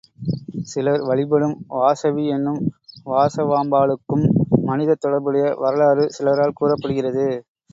சிலர் வழிபடும் வாசவி என்னும் வாசவாம்பாளுக்கும் மனிதத் தொடர்புடைய வரலாறு சிலரால் கூறப்படுகிறது.